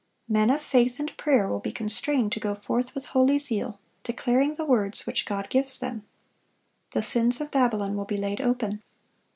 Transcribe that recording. Men of faith and prayer will be constrained to go forth with holy zeal, declaring the words which God gives them. The sins of Babylon will be laid open.